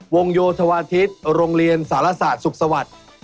โยธวาทิศโรงเรียนสารศาสตร์สุขสวัสดิ์